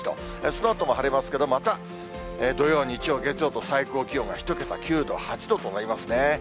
そのあとも晴れますけど、また土曜、日曜、月曜と、最高気温が１桁、９度、８度となりますね。